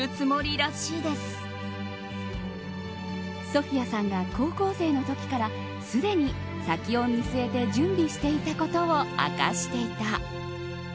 ソフィアさんが高校生の時からすでに先を見据えて準備していたことを明かしていた。